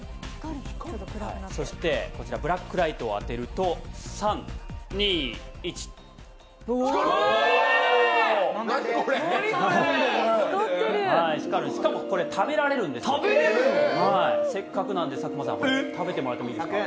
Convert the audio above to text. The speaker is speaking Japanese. そしてこちらブラックライトを当てると３、２、１しかもこれ、食べられるんですよ・せっかくなので、佐久間さん食べてもらってもいいですか。